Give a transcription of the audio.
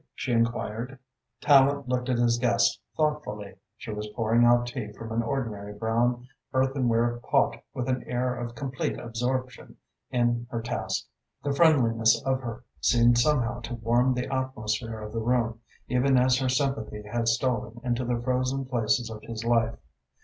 she enquired. Tallente looked at his guest thoughtfully. She was pouring out tea from an ordinary brown earthenware pot with an air of complete absorption in her task. The friendliness of her seemed somehow to warm the atmosphere of the room, even as her sympathy had stolen into the frozen places of his life.